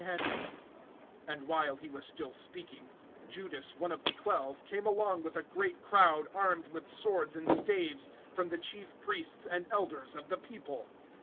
(47)And while he was yet speaking, behold, Judas, one of the twelve, came, and with him a great multitude with swords and staves, from the chief priests and elders of the people.